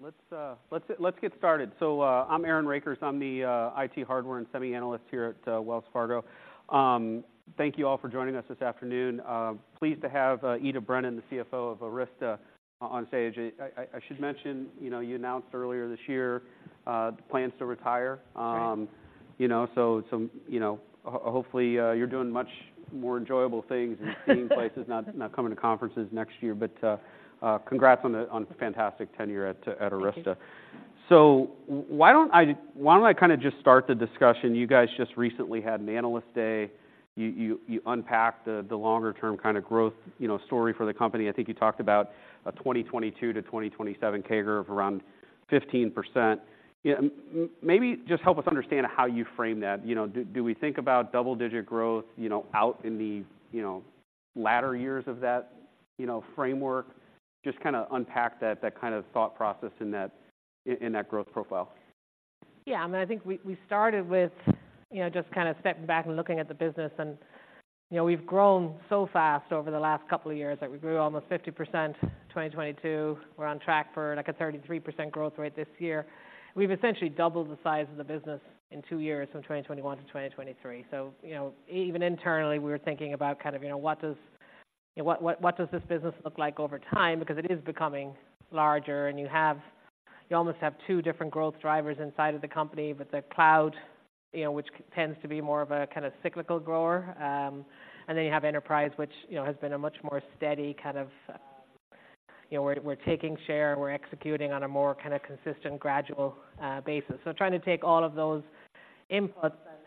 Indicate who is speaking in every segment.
Speaker 1: All right, let's get started. So, I'm Aaron Rakers. I'm the IT Hardware and Semi Analyst here at Wells Fargo. Thank you all for joining us this afternoon. Pleased to have Ita Brennan, the CFO of Arista, on stage. I should mention, you know, you announced earlier this year plans to retire.
Speaker 2: Right.
Speaker 1: You know, so, you know, hopefully, you're doing much more enjoyable things and seeing places, not coming to conferences next year. But, congrats on the fantastic tenure at Arista.
Speaker 2: Thank you.
Speaker 1: So why don't I kind of just start the discussion? You guys just recently had an Analyst Day. You unpacked the longer-term kind of growth, you know, story for the company. I think you talked about a 2022-2027 CAGR of around 15%. Yeah, maybe just help us understand how you frame that. You know, do we think about double-digit growth, you know, out in the latter years of that, you know, framework? Just kinda unpack that kind of thought process in that growth profile.
Speaker 2: Yeah, I mean, I think we started with, you know, just kind of stepping back and looking at the business and, you know, we've grown so fast over the last couple of years, like, we grew almost 50% in 2022. We're on track for, like, a 33% growth rate this year. We've essentially doubled the size of the business in two years, from 2021 to 2023. So, you know, even internally, we were thinking about kind of, you know, what does this business look like over time? Because it is becoming larger, and you have, you almost have two different growth drivers inside of the company. With the cloud, you know, which tends to be more of a kind of cyclical grower. And then you have enterprise, which, you know, has been a much more steady kind of, you know, we're, we're taking share, and we're executing on a more kind of consistent, gradual, basis. So trying to take all of those inputs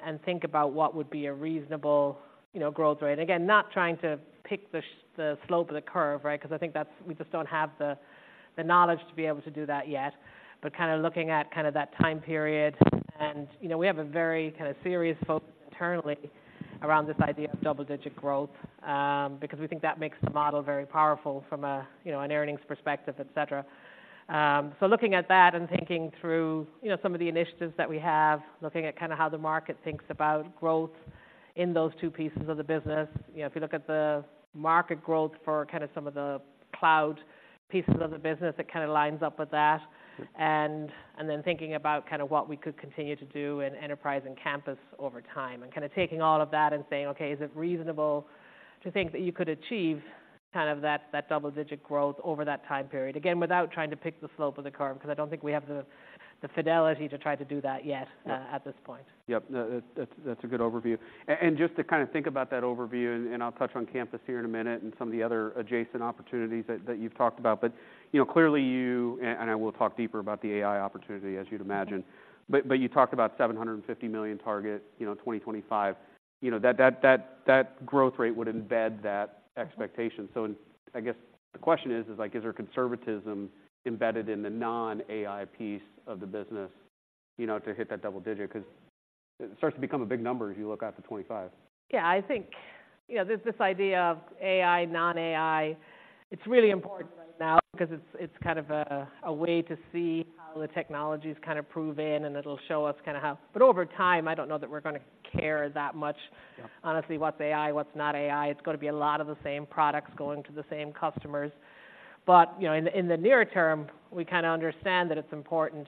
Speaker 2: and, and think about what would be a reasonable, you know, growth rate. Again, not trying to pick the slope of the curve, right? 'Cause I think that's we just don't have the, the knowledge to be able to do that yet. But kind of looking at kind of that time period. And, you know, we have a very kind of serious focus internally around this idea of double-digit growth, because we think that makes the model very powerful from a, you know, an earnings perspective, et cetera. So looking at that and thinking through, you know, some of the initiatives that we have, looking at kind of how the market thinks about growth in those two pieces of the business. You know, if you look at the market growth for kind of some of the cloud pieces of the business, it kind of lines up with that. And then thinking about kind of what we could continue to do in enterprise and campus over time, and kind of taking all of that and saying: Okay, is it reasonable to think that you could achieve kind of that double-digit growth over that time period? Again, without trying to pick the slope of the curve, because I don't think we have the fidelity to try to do that yet, at this point.
Speaker 1: Yep. No, that's a good overview. And just to kind of think about that overview, and I'll touch on campus here in a minute and some of the other adjacent opportunities that you've talked about. But, you know, clearly you and I will talk deeper about the AI opportunity, as you'd imagine, but you talked about $750 million target, you know, 2025. You know, that growth rate would embed that expectation. So I guess the question is, like, is there conservatism embedded in the non-AI piece of the business, you know, to hit that double-digit? 'Cause it starts to become a big number as you look out to 2025.
Speaker 2: Yeah, I think, you know, this idea of AI, non-AI, it's really important right now because it's kind of a way to see how the technology's kind of proven, and it'll show us kind of how... But over time, I don't know that we're gonna care that much.
Speaker 1: Yeah
Speaker 2: Honestly, what's AI, what's not AI. It's gonna be a lot of the same products going to the same customers. But, you know, in the, in the near term, we kind of understand that it's important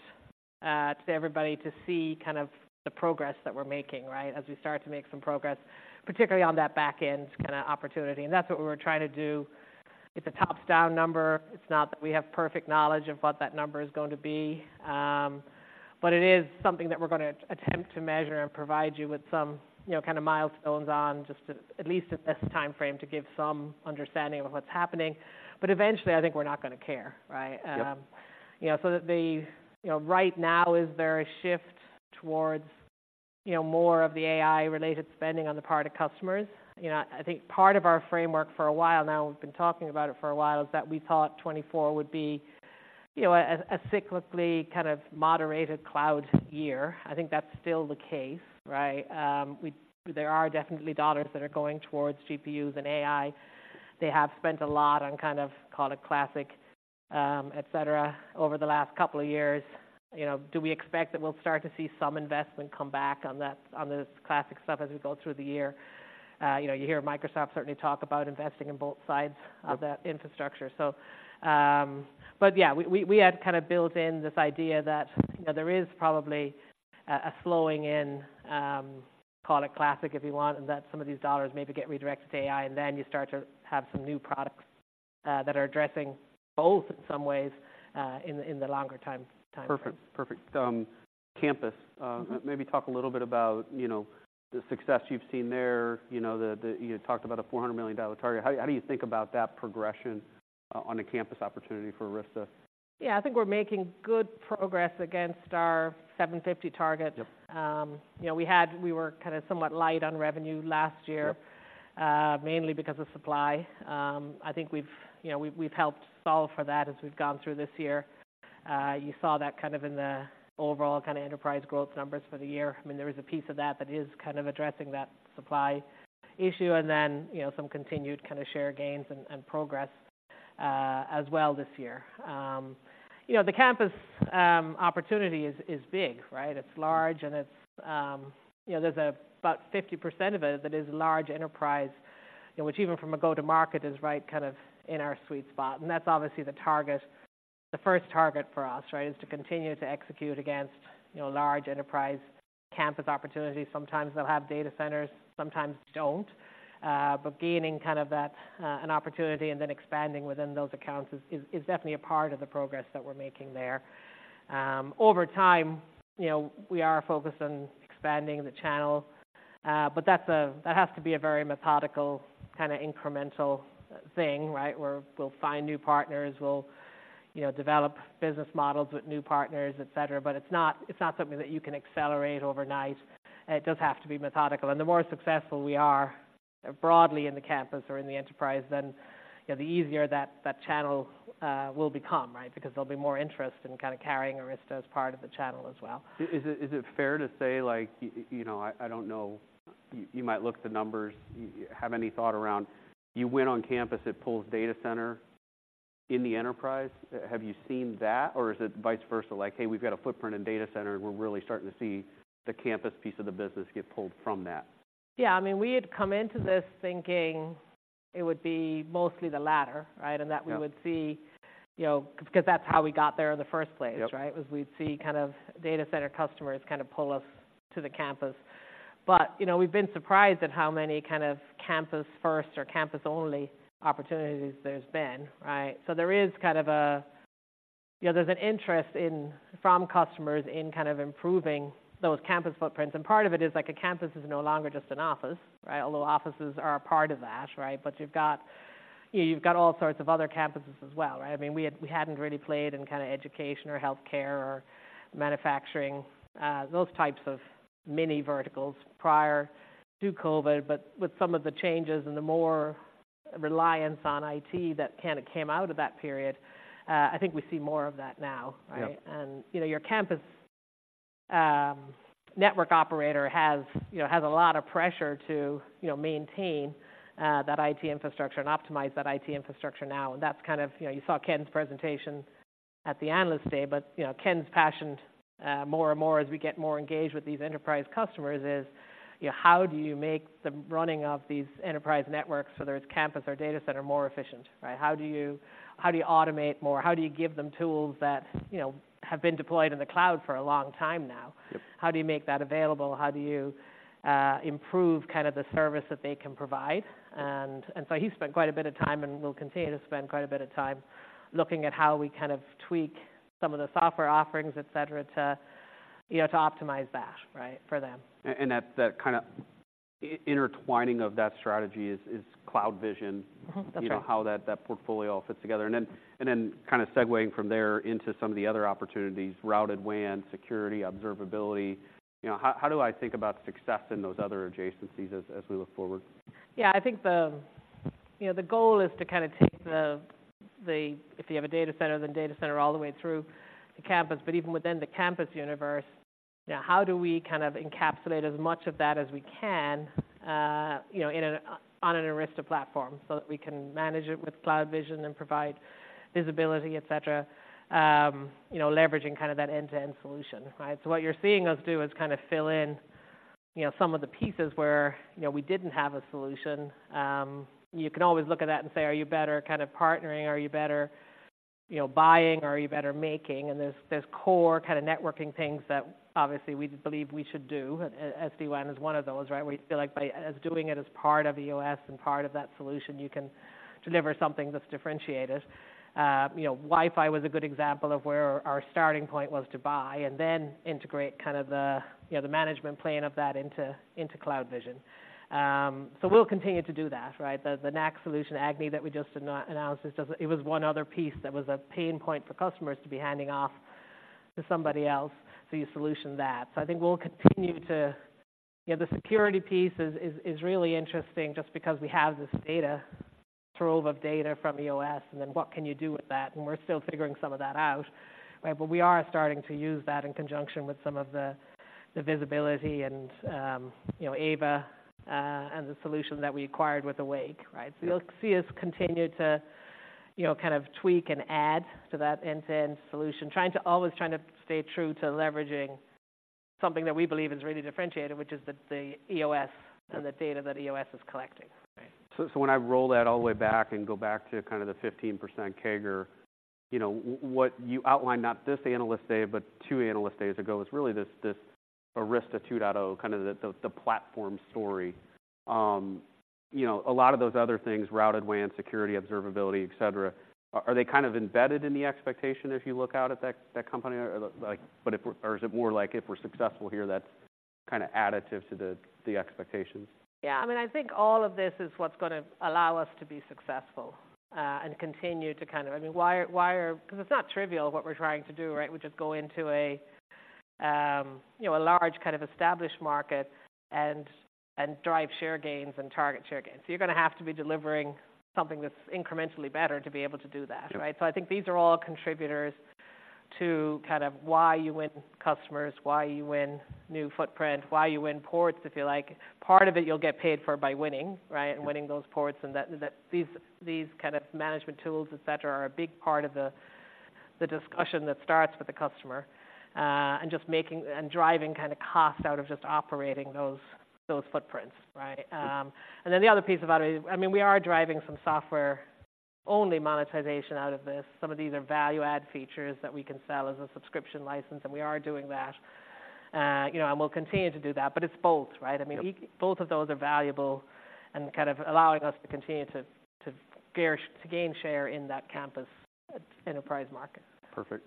Speaker 2: to everybody to see kind of the progress that we're making, right? As we start to make some progress, particularly on that back end kind of opportunity, and that's what we were trying to do. It's a top-down number. It's not that we have perfect knowledge of what that number is going to be, but it is something that we're gonna attempt to measure and provide you with some, you know, kind of milestones on, just to at least at this timeframe, to give some understanding of what's happening. But eventually, I think we're not gonna care, right?
Speaker 1: Yep.
Speaker 2: You know, so, you know, right now, is there a shift towards, you know, more of the AI-related spending on the part of customers? You know, I think part of our framework for a while now, we've been talking about it for a while, is that we thought 2024 would be, you know, a cyclically kind of moderated cloud year. I think that's still the case, right? There are definitely dollars that are going towards GPUs and AI. They have spent a lot on kind of, call it classic, et cetera, over the last couple of years. You know, do we expect that we'll start to see some investment come back on that, on the classic stuff as we go through the year? You know, you hear Microsoft certainly talk about investing in both sides-
Speaker 1: Yep...
Speaker 2: of that infrastructure. So, but yeah, we had kind of built in this idea that, you know, there is probably a slowing in, call it classic, if you want, and that some of these dollars maybe get redirected to AI, and then you start to have some new products that are addressing both in some ways, in the longer time frame.
Speaker 1: Perfect. Perfect. Campus.
Speaker 2: Mm-hmm.
Speaker 1: Maybe talk a little bit about, you know, the success you've seen there. You know, you talked about a $400 million target. How do you think about that progression on the campus opportunity for Arista?
Speaker 2: Yeah, I think we're making good progress against our $750 target.
Speaker 1: Yep.
Speaker 2: You know, we were kind of somewhat light on revenue last year.
Speaker 1: Yep
Speaker 2: Mainly because of supply. I think we've, you know, we've helped solve for that as we've gone through this year. You saw that kind of in the overall kind of enterprise growth numbers for the year. I mean, there is a piece of that that is kind of addressing that supply issue and then, you know, some continued kind of share gains and progress, as well this year. You know, the campus opportunity is big, right? It's large and it's, you know, there's about 50% of it that is large enterprise, you know, which even from a go-to-market is right kind of in our sweet spot, and that's obviously the target. The first target for us, right, is to continue to execute against, you know, large enterprise campus opportunities. Sometimes they'll have data centers, sometimes don't. But gaining kind of that, an opportunity and then expanding within those accounts is definitely a part of the progress that we're making there. Over time, you know, we are focused on expanding the channel, but that's that has to be a very methodical, kind of incremental thing, right? Where we'll find new partners, we'll, you know, develop business models with new partners, et cetera. But it's not, it's not something that you can accelerate overnight. It does have to be methodical, and the more successful we are broadly in the campus or in the enterprise, then, you know, the easier that channel will become, right? Because there'll be more interest in kind of carrying Arista as part of the channel as well.
Speaker 1: Is it fair to say, like, you know, I don't know, you might look at the numbers, you have any thought around you win on campus, it pulls data center in the enterprise? Have you seen that, or is it vice versa? Like, "Hey, we've got a footprint in data center, and we're really starting to see the campus piece of the business get pulled from that.
Speaker 2: Yeah, I mean, we had come into this thinking it would be mostly the latter, right?
Speaker 1: Yeah.
Speaker 2: And that we would see... You know, because that's how we got there in the first place.
Speaker 1: Yep
Speaker 2: ...right? What we'd see kind of data center customers kind of pull us to the campus. But, you know, we've been surprised at how many kind of campus-first or campus-only opportunities there's been, right? So there is kind of a, you know, there's an interest in, from customers in kind of improving those campus footprints, and part of it is, like, a campus is no longer just an office, right? Although offices are a part of that, right? But you've got, you've got all sorts of other campuses as well, right? I mean, we had, we hadn't really played in kind of education or healthcare or manufacturing, those types of mini verticals prior to COVID. But with some of the changes and the more reliance on IT that kind of came out of that period, I think we see more of that now, right?
Speaker 1: Yep.
Speaker 2: You know, your campus network operator has, you know, has a lot of pressure to, you know, maintain that IT infrastructure and optimize that IT infrastructure now. That's kind of... You know, you saw Ken's presentation at the Analyst Day, but, you know, Ken's passion more and more as we get more engaged with these enterprise customers is, you know, how do you make the running of these enterprise networks, whether it's campus or data center, more efficient, right? How do you, how do you automate more? How do you give them tools that, you know, have been deployed in the cloud for a long time now?
Speaker 1: Yep.
Speaker 2: How do you make that available? How do you improve kind of the service that they can provide? And, and so he spent quite a bit of time, and will continue to spend quite a bit of time looking at how we kind of tweak some of the software offerings, et cetera, to, you know, to optimize that, right, for them.
Speaker 1: And that kind of intertwining of that strategy is CloudVision.
Speaker 2: Mm-hmm. That's right.
Speaker 1: You know, how that portfolio all fits together. And then, and then kind of segueing from there into some of the other opportunities, routed WAN, security, observability. You know, how, how do I think about success in those other adjacencies as, as we look forward?
Speaker 2: Yeah, I think the goal is to kind of take the... If you have a data center, then data center all the way through the campus, but even within the campus universe, you know, how do we kind of encapsulate as much of that as we can, you know, on an Arista platform, so that we can manage it with CloudVision and provide visibility, et cetera? You know, leveraging kind of that end-to-end solution, right? So what you're seeing us do is kind of fill in, you know, some of the pieces where, you know, we didn't have a solution. You can always look at that and say: Are you better kind of partnering? Are you better, you know, buying, or are you better making? There are core kind of networking things that obviously we believe we should do. SD-WAN is one of those, right? We feel like by doing it as part of EOS and part of that solution, you can deliver something that's differentiated. You know, Wi-Fi was a good example of where our starting point was to buy and then integrate kind of the, you know, the management plane of that into CloudVision. So we'll continue to do that, right? The NAC solution, AGNI, that we just announced. It was one other piece that was a pain point for customers to be handing off to somebody else, so you solve that. So I think we'll continue to... Yeah, the security piece is really interesting just because we have this trove of data from EOS, and then what can you do with that? We're still figuring some of that out, right? But we are starting to use that in conjunction with some of the visibility and, you know, AVA, and the solution that we acquired with Awake, right? So you'll see us continue to, you know, kind of tweak and add to that end-to-end solution, trying to always trying to stay true to leveraging something that we believe is really differentiated, which is the EOS and the data that EOS is collecting.
Speaker 1: So, when I roll that all the way back and go back to kind of the 15% CAGR, you know, what you outlined, not this Analyst Day, but two Analyst Days ago, was really this, this Arista 2.0, kind of the, the, the platform story. You know, a lot of those other things, routed WAN, security, observability, et cetera, are, are they kind of embedded in the expectation as you look out at that, that company? Or, like, but if... Or is it more like, if we're successful here, that's kind of additive to the, the expectations?
Speaker 2: Yeah. I mean, I think all of this is what's gonna allow us to be successful, and continue to kind of... I mean, why? Because it's not trivial what we're trying to do, right? We just go into a, you know, a large, kind of established market and drive share gains and target share gains. So you're gonna have to be delivering something that's incrementally better to be able to do that, right?
Speaker 1: Yep.
Speaker 2: I think these are all contributors to kind of why you win customers, why you win new footprint, why you win ports, if you like. Part of it, you'll get paid for by winning, right?
Speaker 1: Yep.
Speaker 2: And winning those ports, and that, that these, these kind of management tools, et cetera, are a big part of the, the discussion that starts with the customer, and just making and driving kind of cost out of just operating those, those footprints, right? And then the other piece about it, I mean, we are driving some software-only monetization out of this. Some of these are value-add features that we can sell as a subscription license, and we are doing that. You know, and we'll continue to do that, but it's both, right?
Speaker 1: Yep.
Speaker 2: I mean, both of those are valuable and kind of allowing us to continue to gain share in that campus enterprise market.
Speaker 1: Perfect.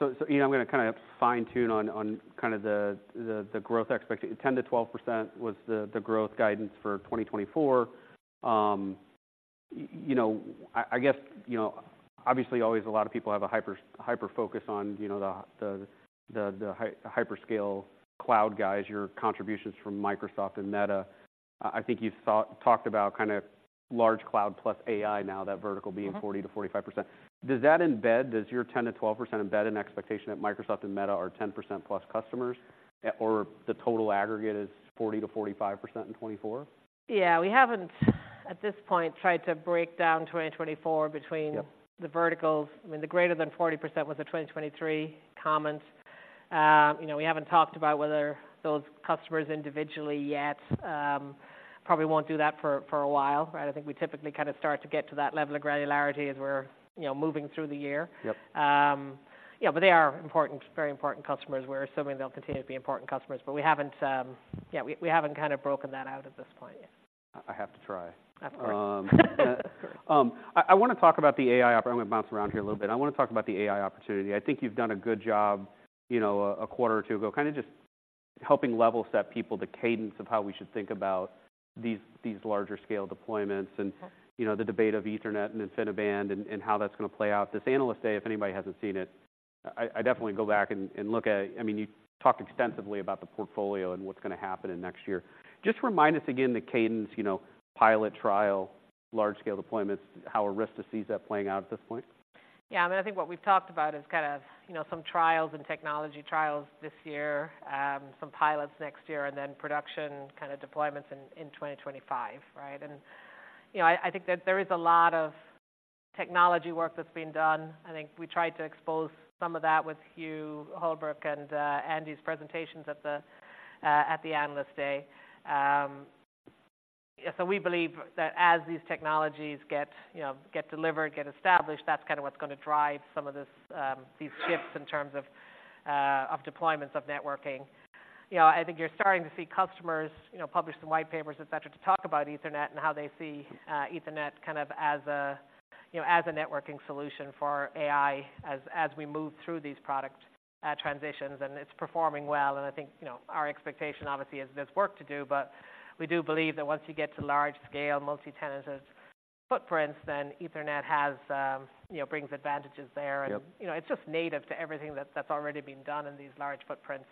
Speaker 1: So, you know, I'm gonna kinda fine-tune on kind of the growth expectation. 10%-12% was the growth guidance for 2024. You know, I guess, you know, obviously, always a lot of people have a hyper-focus on the hyperscale cloud guys, your contributions from Microsoft and Meta. I think you've talked about kind of large cloud plus AI now, that vertical being 40%-45%. Does that embed, does your 10%-12% embed an expectation that Microsoft and Meta are 10%+ customers, or the total aggregate is 40%-45% in 2024?
Speaker 2: Yeah, we haven't, at this point, tried to break down 2024 between-
Speaker 1: Yep...
Speaker 2: the verticals. I mean, the greater than 40% was a 2023 comment. You know, we haven't talked about whether those customers individually yet, probably won't do that for, for a while, right? I think we typically kind of start to get to that level of granularity as we're, you know, moving through the year.
Speaker 1: Yep.
Speaker 2: Yeah, but they are important, very important customers. We're assuming they'll continue to be important customers, but we haven't. Yeah, we haven't kind of broken that out at this point yet.
Speaker 1: I have to try.
Speaker 2: Of course.
Speaker 1: I'm gonna bounce around here a little bit. I wanna talk about the AI opportunity. I think you've done a good job, you know, a quarter or two ago, kind of just helping level set people the cadence of how we should think about these, these larger scale deployments, and you know, the debate of Ethernet and InfiniBand, and how that's gonna play out. This Analyst Day, if anybody hasn't seen it, I definitely go back and look at it. I mean, you talked extensively about the portfolio and what's gonna happen in next year. Just remind us again, the cadence, you know, pilot, trial, large scale deployments, how Arista sees that playing out at this point.
Speaker 2: Yeah, I mean, I think what we've talked about is kind of, you know, some trials and technology trials this year, some pilots next year, and then production kind of deployments in, in 2025, right? And, you know, I, I think that there is a lot of technology work that's being done. I think we tried to expose some of that with Hugh Holbrook and Andy's presentations at the, at the Analyst Day. So we believe that as these technologies get, you know, get delivered, get established, that's kind of what's gonna drive some of this, these shifts in terms of, of deployments, of networking. You know, I think you're starting to see customers, you know, publish some white papers, et cetera, to talk about Ethernet and how they see, Ethernet kind of as a, you know, as a networking solution for AI, as we move through these product, transitions, and it's performing well. And I think, you know, our expectation, obviously, is there's work to do, but we do believe that once you get to large-scale, multi-tenanted footprints, then Ethernet has, you know, brings advantages there.
Speaker 1: Yep.
Speaker 2: And, you know, it's just native to everything that's already been done in these large footprints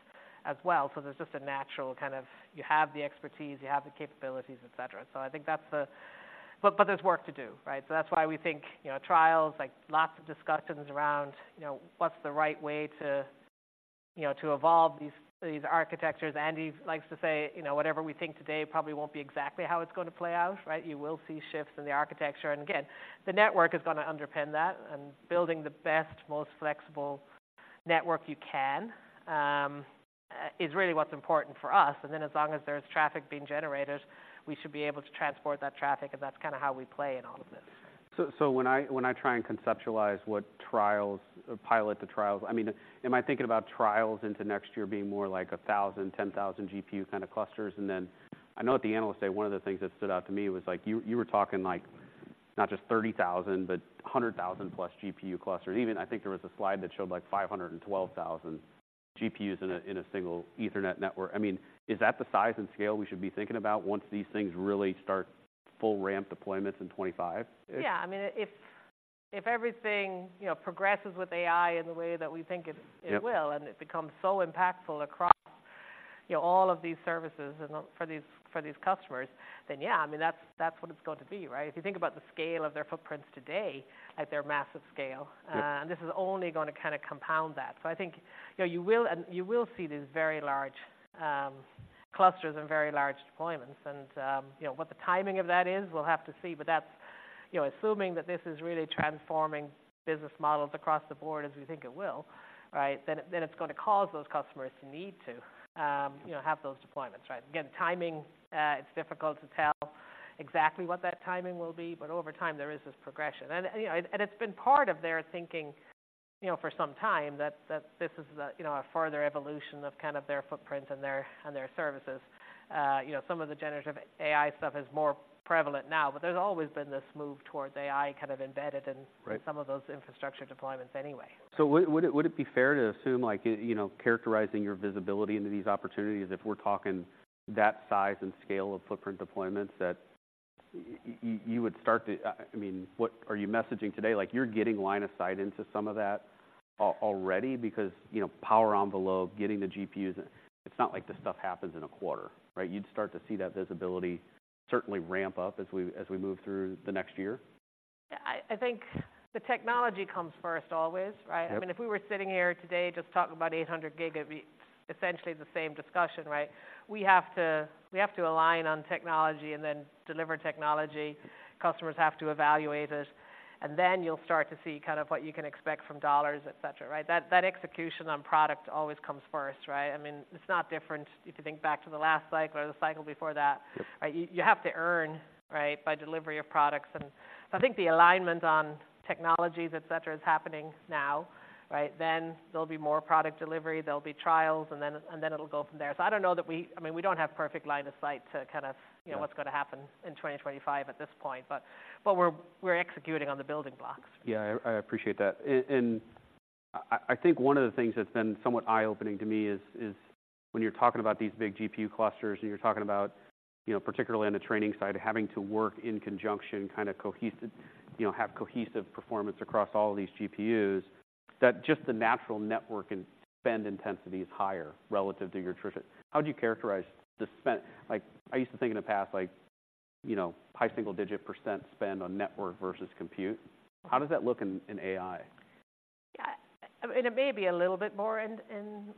Speaker 2: as well. So there's just a natural kind of... You have the expertise, you have the capabilities, et cetera. So I think that's the- but, but there's work to do, right? So that's why we think, you know, trials, like, lots of discussions around, you know, what's the right way to, you know, to evolve these, these architectures. Andy likes to say, you know, "Whatever we think today, probably won't be exactly how it's gonna play out," right? You will see shifts in the architecture, and again, the network is gonna underpin that. And building the best, most flexible network you can is really what's important for us. And then, as long as there's traffic being generated, we should be able to transport that traffic, and that's kinda how we play in all of this.
Speaker 1: So, when I try and conceptualize pilot to trials, I mean, am I thinking about trials into next year being more like 1,000, 10,000 GPU kind of clusters? And then, I know at the Analyst Day, one of the things that stood out to me was, like, you were talking, like, not just 30,000, but 100,000+ GPU clusters. Even, I think there was a slide that showed, like, 512,000 GPUs in a single Ethernet network. I mean, is that the size and scale we should be thinking about once these things really start full ramp deployments in 2025?
Speaker 2: Yeah. I mean, if everything, you know, progresses with AI in the way that we think it will-
Speaker 1: Yep...
Speaker 2: and it becomes so impactful across, you know, all of these services and for these, for these customers, then yeah, I mean, that's, that's what it's going to be, right? If you think about the scale of their footprints today, at their massive scale-
Speaker 1: Yep...
Speaker 2: and this is only gonna kinda compound that. So I think, you know, you will and you will see these very large, clusters and very large deployments. And, you know, what the timing of that is, we'll have to see, but that's, you know, assuming that this is really transforming business models across the board, as we think it will, right? Then, then it's gonna cause those customers to need to, you know, have those deployments, right? Again, timing, it's difficult to tell exactly what that timing will be, but over time, there is this progression. And, you know, and it's been part of their thinking, you know, for some time, that, that this is a, you know, a further evolution of kind of their footprint and their, and their services. you know, some of the generative AI stuff is more prevalent now, but there's always been this move towards AI kind of embedded in-
Speaker 1: Right...
Speaker 2: some of those infrastructure deployments anyway.
Speaker 1: So would it be fair to assume, like, you know, characterizing your visibility into these opportunities, if we're talking that size and scale of footprint deployments, that you would start to... I mean, what are you messaging today? Like, you're getting line of sight into some of that already because, you know, power envelope, getting the GPUs, and it's not like this stuff happens in a quarter, right? You'd start to see that visibility certainly ramp up as we, as we move through the next year.
Speaker 2: Yeah, I think the technology comes first always, right?
Speaker 1: Yep.
Speaker 2: I mean, if we were sitting here today just talking about 800G, it'd be essentially the same discussion, right? We have to, we have to align on technology and then deliver technology. Customers have to evaluate it, and then you'll start to see kind of what you can expect from dollars, et cetera, right? That, that execution on product always comes first, right? I mean, it's not different if you think back to the last cycle or the cycle before that. You have to earn, right, by delivery of products. So I think the alignment on technologies, et cetera, is happening now, right? Then there'll be more product delivery, there'll be trials, and then it'll go from there. So I don't know that we—I mean, we don't have perfect line of sight to kind of, you know-
Speaker 1: Yeah...
Speaker 2: what's gonna happen in 2025 at this point. But we're executing on the building blocks.
Speaker 1: Yeah, I appreciate that. I think one of the things that's been somewhat eye-opening to me is when you're talking about these big GPU clusters, and you're talking about, you know, particularly on the training side, having to work in conjunction, kind of cohesive, you know, have cohesive performance across all of these GPUs, that just the natural network and spend intensity is higher relative to your traditional. How do you characterize the spend? Like, I used to think in the past, like, you know, high single-digit percent spend on network versus compute. How does that look in AI?
Speaker 2: Yeah, I mean, it may be a little bit more in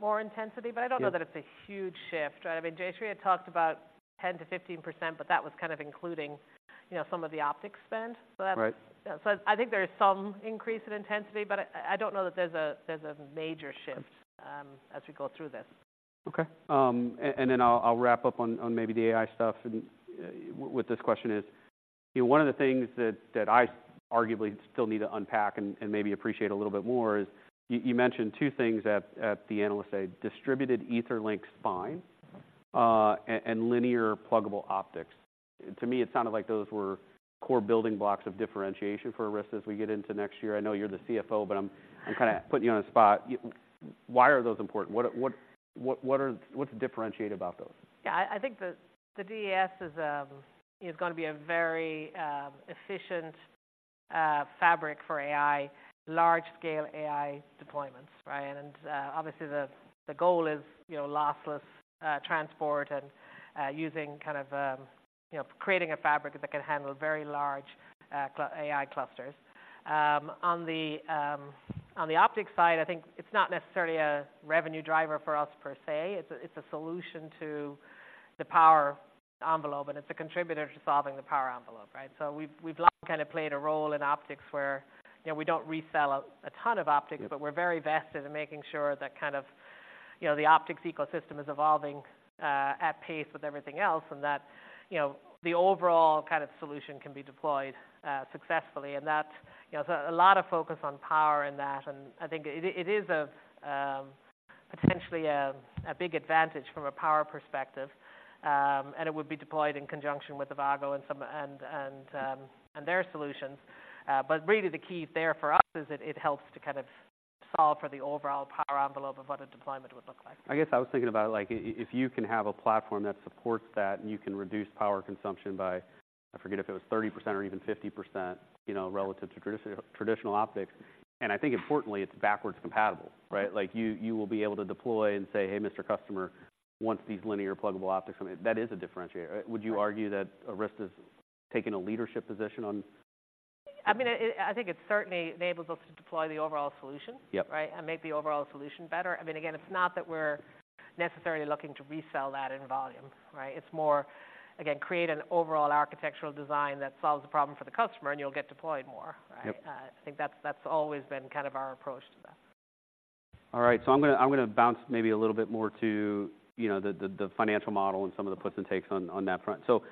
Speaker 2: more intensity-
Speaker 1: Yeah.
Speaker 2: But I don't know that it's a huge shift, right? I mean, Jayshree had talked about 10%-15%, but that was kind of including, you know, some of the optics spend. So that's-
Speaker 1: Right.
Speaker 2: So I think there is some increase in intensity, but I don't know that there's a major shift, as we go through this.
Speaker 1: Okay. And then I'll wrap up on maybe the AI stuff, and with this question is: you know, one of the things that I arguably still need to unpack and maybe appreciate a little bit more is, you mentioned two things at the Analyst Day, Distributed Etherlink Switch, and Linear Pluggable Optics. To me, it sounded like those were core building blocks of differentiation for Arista as we get into next year. I know you're the CFO, but I'm kinda putting you on the spot. Why are those important? What are... What's differentiated about those?
Speaker 2: Yeah, I think the DES is gonna be a very efficient fabric for AI, large-scale AI deployments, right? And obviously, the goal is, you know, lossless transport and using kind of, you know, creating a fabric that can handle very large AI clusters. On the optics side, I think it's not necessarily a revenue driver for us per se. It's a solution to the power envelope, and it's a contributor to solving the power envelope, right? So we've kind of played a role in optics where, you know, we don't resell a ton of optics. But we're very vested in making sure that kind of, you know, the optics ecosystem is evolving at pace with everything else, and that, you know, the overall kind of solution can be deployed successfully. And that, you know, so a lot of focus on power in that, and I think it is potentially a big advantage from a power perspective, and it would be deployed in conjunction with Avago and some... and their solutions. But really the key there for us is it helps to kind of solve for the overall power envelope of what a deployment would look like.
Speaker 1: I guess I was thinking about, like, if you can have a platform that supports that, and you can reduce power consumption by, I forget if it was 30% or even 50%, you know, relative to traditional optics, and I think importantly, it's backwards compatible, right? Like, you, you will be able to deploy and say, "Hey, Mr. Customer, want these Linear Pluggable Optics?" I mean, that is a differentiator. Right. Would you argue that Arista's taking a leadership position on?
Speaker 2: I mean, I think it certainly enables us to deploy the overall solution.
Speaker 1: Yep.
Speaker 2: Right? And make the overall solution better. I mean, again, it's not that we're necessarily looking to resell that in volume, right? It's more, again, create an overall architectural design that solves the problem for the customer, and you'll get deployed more, right?
Speaker 1: Yep.
Speaker 2: I think that's always been kind of our approach to that.
Speaker 1: All right, so I'm gonna bounce maybe a little bit more to, you know, the financial model and some of the puts and takes on that front. So,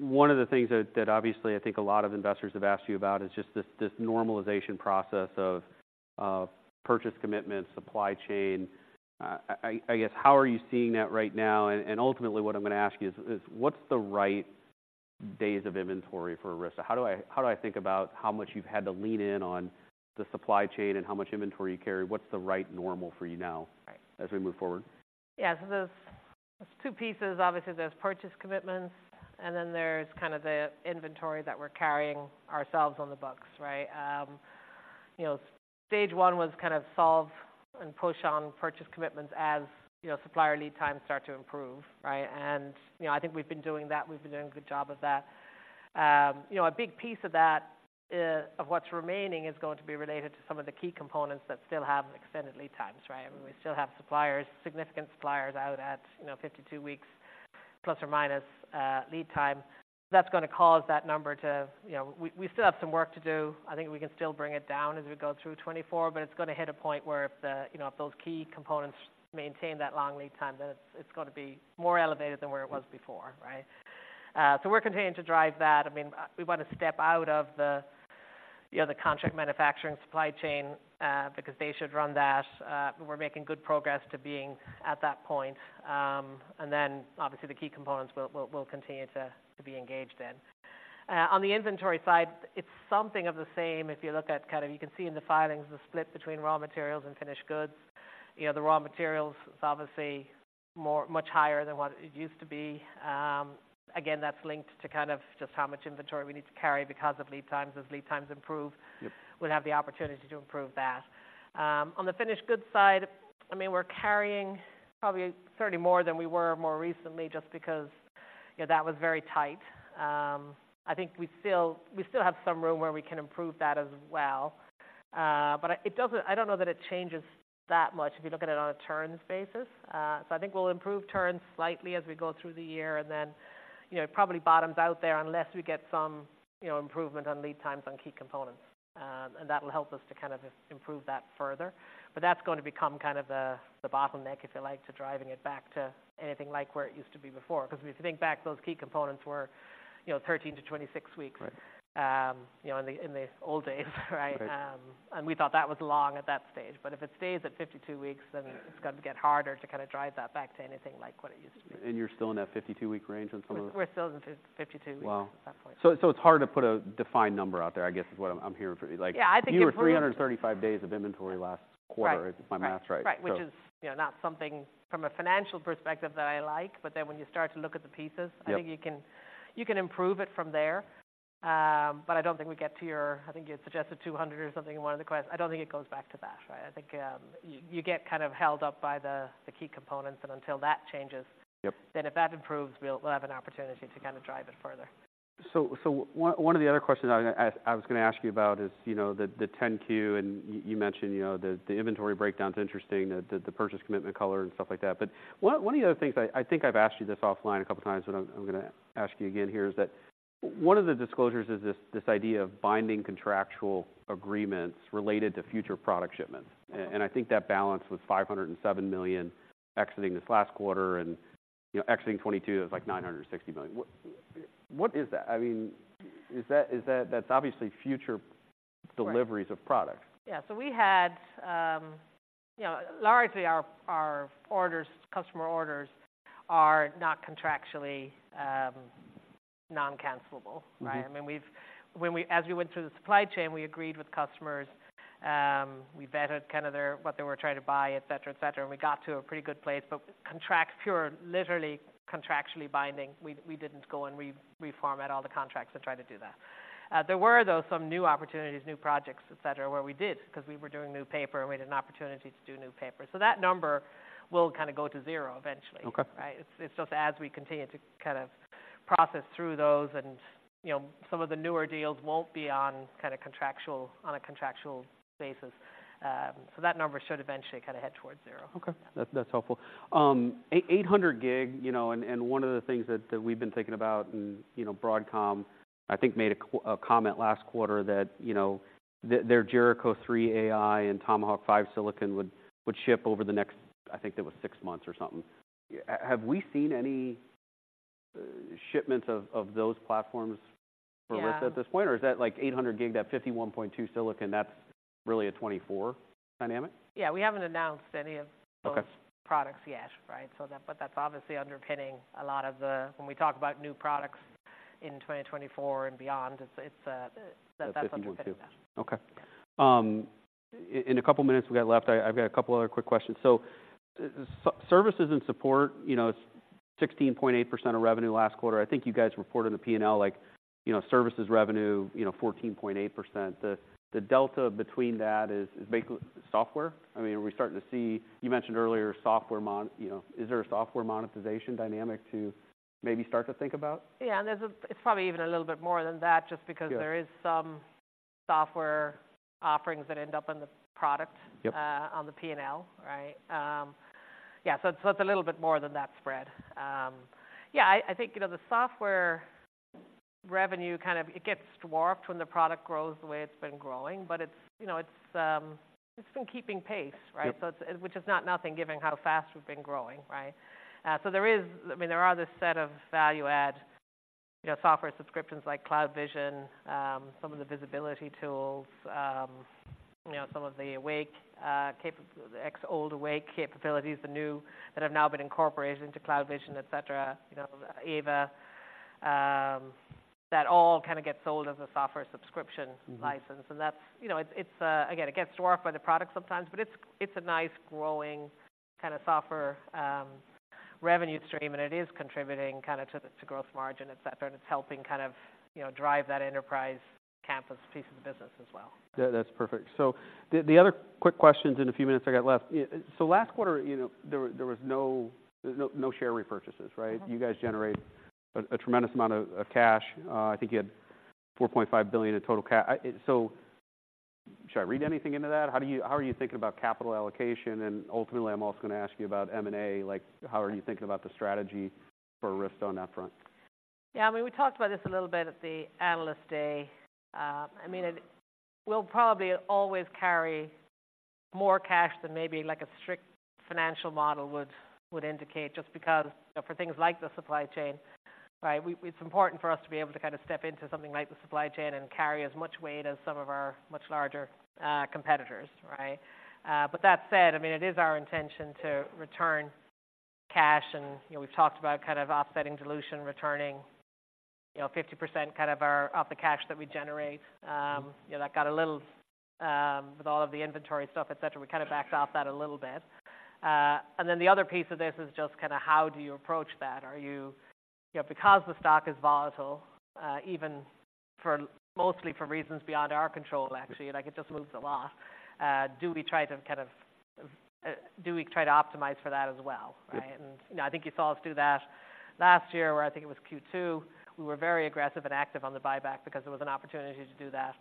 Speaker 1: one of the things that obviously I think a lot of investors have asked you about is just this normalization process of purchase commitments, supply chain. I guess, how are you seeing that right now? And ultimately, what I'm gonna ask you is what's the right days of inventory for Arista? How do I think about how much you've had to lean in on the supply chain and how much inventory you carry? What's the right normal for you now-
Speaker 2: Right...
Speaker 1: as we move forward?
Speaker 2: Yeah, so there's two pieces. Obviously, there's purchase commitments, and then there's kind of the inventory that we're carrying ourselves on the books, right? You know, stage one was kind of solve and push on purchase commitments as, you know, supplier lead times start to improve, right? And, you know, I think we've been doing that. We've been doing a good job of that. You know, a big piece of that, of what's remaining is going to be related to some of the key components that still have extended lead times, right? I mean, we still have suppliers, significant suppliers out at, you know, 52 weeks, plus or minus, lead time. That's gonna cause that number to... You know, we still have some work to do. I think we can still bring it down as we go through 2024, but it's gonna hit a point where if the, you know, if those key components maintain that long lead time, then it's gonna be more elevated than where it was before, right? So we're continuing to drive that. I mean, we want to step out of the, you know, the contract manufacturing supply chain, because they should run that. We're making good progress to being at that point. And then, obviously, the key components will continue to be engaged in. On the inventory side, it's something of the same. If you look at kind of. You can see in the filings, the split between raw materials and finished goods. You know, the raw materials is obviously more, much higher than what it used to be. Again, that's linked to kind of just how much inventory we need to carry because of lead times. As lead times improve-
Speaker 1: Yep...
Speaker 2: we'll have the opportunity to improve that. On the finished goods side, I mean, we're carrying probably certainly more than we were more recently, just because, you know, that was very tight. I think we still, we still have some room where we can improve that as well. But it doesn't. I don't know that it changes that much if you look at it on a turns basis. So I think we'll improve turns slightly as we go through the year, and then, you know, it probably bottoms out there unless we get some, you know, improvement on lead times on key components. And that will help us to kind of improve that further. But that's going to become kind of the, the bottleneck, if you like, to driving it back to anything like where it used to be before. Because if you think back, those key components were, you know, 13-26 weeks-
Speaker 1: Right.
Speaker 2: You know, in the old days, right?
Speaker 1: Right.
Speaker 2: And we thought that was long at that stage, but if it stays at 52 weeks, then it's gonna get harder to kinda drive that back to anything like what it used to be.
Speaker 1: You're still in that 52-week range on some of those?
Speaker 2: We're still in 52 weeks-
Speaker 1: Wow!
Speaker 2: at that point.
Speaker 1: So, it's hard to put a defined number out there, I guess, is what I'm hearing from you. Like-
Speaker 2: Yeah, I think it-
Speaker 1: You were 335 days of inventory last quarter-
Speaker 2: Right.
Speaker 1: If my math's right.
Speaker 2: Right, which is, you know, not something from a financial perspective that I like, but then when you start to look at the pieces-
Speaker 1: Yep...
Speaker 2: I think you can improve it from there. But I don't think we get to your—I think you had suggested 200 or something. I don't think it goes back to that, right? I think you get kind of held up by the key components, and until that changes-
Speaker 1: Yep...
Speaker 2: then if that improves, we'll have an opportunity to kinda drive it further.
Speaker 1: So, one of the other questions I was gonna ask you about is, you know, the 10-Q, and you mentioned, you know, the inventory breakdown's interesting, the purchase commitment color and stuff like that. But one of the other things I think I've asked you this offline a couple of times, but I'm gonna ask you again here, is that one of the disclosures is this idea of binding contractual agreements related to future product shipments. And I think that balance was $507 million exiting this last quarter, and, you know, exiting 2022, it was like $960 million. What is that? I mean, is that... That's obviously future-
Speaker 2: Right...
Speaker 1: deliveries of product.
Speaker 2: Yeah, so we had, you know, largely our, our orders, customer orders are not contractually non-cancellable, right? I mean, as we went through the supply chain, we agreed with customers, we vetted kind of their, what they were trying to buy, et cetera, et cetera, and we got to a pretty good place. But contracts, pure, literally contractually binding, we didn't go and reformat all the contracts to try to do that. There were, though, some new opportunities, new projects, et cetera, where we did, 'cause we were doing new paper and we had an opportunity to do new paper. So that number will kinda go to zero eventually.
Speaker 1: Okay.
Speaker 2: Right? It's, it's just as we continue to kind of process through those and, you know, some of the newer deals won't be on kinda contractual, on a contractual basis. So that number should eventually kinda head towards zero.
Speaker 1: Okay, that's helpful. 800G, you know, and one of the things that we've been thinking about and, you know, Broadcom, I think, made a comment last quarter that, you know, their Jericho3-AI and Tomahawk 5 silicon would ship over the next, I think it was six months or something. Have we seen any shipments of those platforms for-
Speaker 2: Yeah...
Speaker 1: Arista at this point, or is that, like, 800G, that 51.2 silicon, that really a 24 dynamic?
Speaker 2: Yeah, we haven't announced any of those-
Speaker 1: Okay...
Speaker 2: products yet, right? So but that's obviously underpinning a lot of the... When we talk about new products in 2024 and beyond, it's, it's, that, that's what they're underpinning.
Speaker 1: Okay. In a couple of minutes we got left, I've got a couple other quick questions. So services and support, you know, it's 16.8% of revenue last quarter. I think you guys reported in the P&L, like, you know, services revenue, you know, 14.8%. The delta between that is basically software. I mean, are we starting to see... You mentioned earlier software monetization, you know, is there a software monetization dynamic to maybe start to think about?
Speaker 2: Yeah, and there's—it's probably even a little bit more than that, just because—
Speaker 1: Yeah...
Speaker 2: there is some software offerings that end up in the product-
Speaker 1: Yep...
Speaker 2: on the P&L, right? Yeah, so it's, so it's a little bit more than that spread. Yeah, I, I think, you know, the software revenue kind of it gets dwarfed when the product grows the way it's been growing, but it's, you know, it's, it's been keeping pace, right?
Speaker 1: Yep.
Speaker 2: which is not nothing, given how fast we've been growing, right? So there is... I mean, there are this set of value add, you know, software subscriptions like CloudVision, some of the visibility tools, you know, some of the Awake, the ex old Awake capabilities, the new, that have now been incorporated into CloudVision, et cetera, you know, AVA, that all kinda get sold as a software subscription license. That's, you know, again, it gets dwarfed by the product sometimes, but it's a nice growing kinda software revenue stream, and it is contributing kinda to the growth margin, et cetera, and it's helping kind of, you know, drive that enterprise campus piece of the business as well.
Speaker 1: Yeah, that's perfect. So the other quick questions in the few minutes I got left: so last quarter, you know, there was no share repurchases, right? You guys generate a tremendous amount of cash. I think you had $4.5 billion in total cash. So should I read anything into that? How are you thinking about capital allocation? And ultimately, I'm also gonna ask you about M&A. Like, how are you thinking about the strategy for Arista on that front?
Speaker 2: Yeah, I mean, we talked about this a little bit at the Analyst Day. I mean, we'll probably always carry more cash than maybe, like, a strict financial model would indicate, just because, you know, for things like the supply chain, right? It's important for us to be able to kinda step into something like the supply chain and carry as much weight as some of our much larger competitors, right? But that said, I mean, it is our intention to return cash, and, you know, we've talked about kind of offsetting dilution, returning, you know, 50% kind of of the cash that we generate. You know, that got a little... With all of the inventory stuff, et cetera, we kinda backed off that a little bit. And then the other piece of this is just kinda how do you approach that? Are you you know, because the stock is volatile, even mostly for reasons beyond our control, actually, like, it just moves a lot, do we try to kind of, do we try to optimize for that as well, right?
Speaker 1: Yep.
Speaker 2: And, you know, I think you saw us do that last year, where I think it was Q2, we were very aggressive and active on the buyback because there was an opportunity to do that.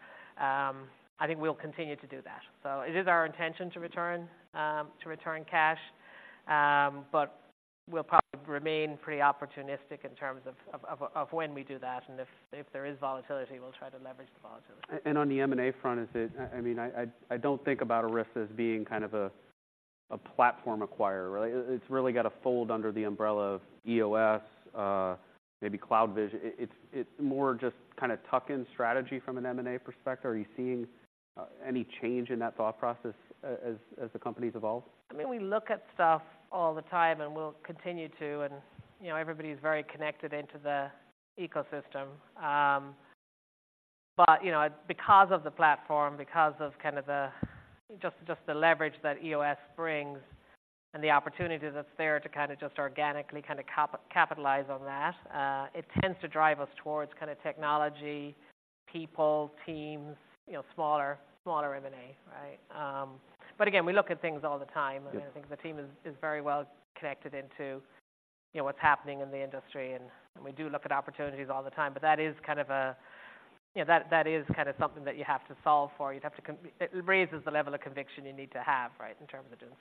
Speaker 2: I think we'll continue to do that. So it is our intention to return to return cash, but we'll probably remain pretty opportunistic in terms of when we do that, and if there is volatility, we'll try to leverage the volatility.
Speaker 1: And on the M&A front, is it... I mean, I don't think about Arista as being kind of a platform acquirer, really. It's really got to fold under the umbrella of EOS, maybe CloudVision. It's more just kind of tuck-in strategy from an M&A perspective. Are you seeing any change in that thought process as the companies evolve?
Speaker 2: I mean, we look at stuff all the time, and we'll continue to, and, you know, everybody's very connected into the ecosystem. But, you know, because of the platform, because of kind of the, just, just the leverage that EOS brings and the opportunity that's there to kind of just organically kind of capitalize on that, it tends to drive us towards kind of technology, people, teams, you know, smaller, smaller M&A, right? But again, we look at things all the time.
Speaker 1: Yeah.
Speaker 2: I think the team is very well connected into, you know, what's happening in the industry, and we do look at opportunities all the time, but that is kind of. You know, that is kind of something that you have to solve for. You'd have to. It raises the level of conviction you need to have, right, in terms of doing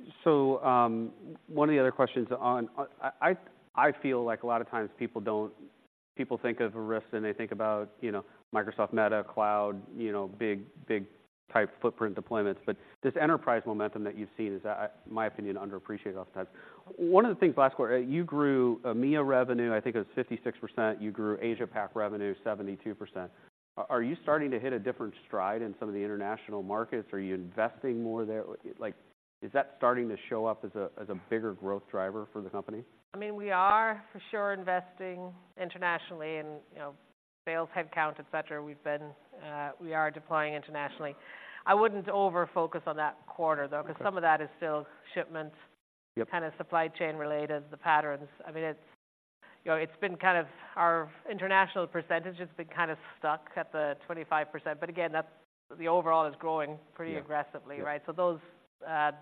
Speaker 2: something bigger.
Speaker 1: So, one of the other questions on. I feel like a lot of times people don't, people think of Arista, and they think about, you know, Microsoft, Meta, Cloud, you know, big, big type footprint deployments. But this enterprise momentum that you've seen is, in my opinion, underappreciated oftentimes. One of the things last quarter, you grew EMEA revenue, I think it was 56%. You grew Asia-Pacific revenue, 72%. Are you starting to hit a different stride in some of the international markets? Are you investing more there? Like, is that starting to show up as a bigger growth driver for the company?
Speaker 2: I mean, we are for sure investing internationally and, you know, sales, headcount, et cetera. We've been, we are deploying internationally. I wouldn't over-focus on that quarter, though 'cause some of that is still shipments
Speaker 1: Yep
Speaker 2: Kind of supply chain related, the patterns. I mean, it's, you know, it's been kind of... Our international percentage has been kind of stuck at the 25%, but again, that's the overall is growing pretty aggressively, right?
Speaker 1: Yeah.
Speaker 2: So those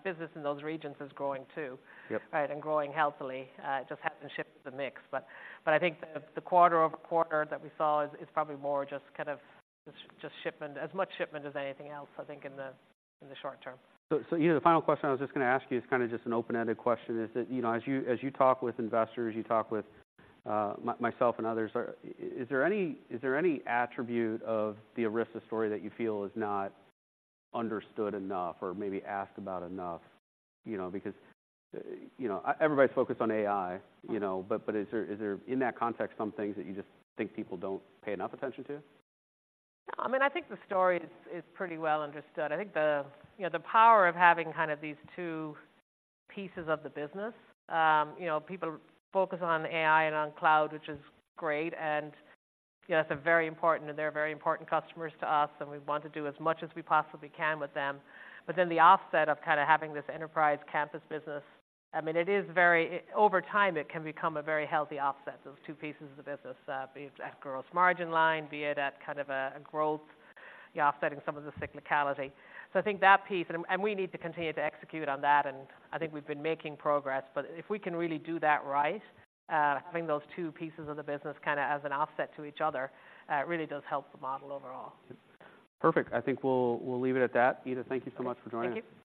Speaker 2: business in those regions is growing, too.
Speaker 1: Yep.
Speaker 2: Right, and growing healthily. It just happens to shift the mix, but I think the quarter-over-quarter that we saw is probably more just kind of shipment, as much shipment as anything else, I think, in the short term.
Speaker 1: So, you know, the final question I was just going to ask you is kind of just an open-ended question. That is, you know, as you talk with investors, you talk with myself and others, is there any attribute of the Arista story that you feel is not understood enough or maybe asked about enough? You know, because, you know, everybody's focused on AI, you know, but is there, in that context, some things that you just think people don't pay enough attention to?
Speaker 2: No, I mean, I think the story is, is pretty well understood. I think the, you know, the power of having kind of these two pieces of the business, you know, people focus on AI and on cloud, which is great, and, you know, that's a very important and they're very important customers to us, and we want to do as much as we possibly can with them. But then the offset of kind of having this enterprise campus business, I mean, it is very, over time, it can become a very healthy offset, those two pieces of the business, be it at gross margin line, be it at kind of a, a growth, offsetting some of the cyclicality. So I think that piece, and we need to continue to execute on that, and I think we've been making progress. But if we can really do that right, having those two pieces of the business kind of as an offset to each other, really does help the model overall.
Speaker 1: Perfect. I think we'll, we'll leave it at that. Ita, thank you so much for joining us.